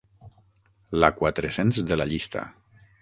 La quatre-cents de la llista.